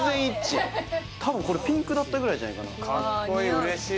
多分これピンクだったぐらいじゃないかなカッコイイ嬉しい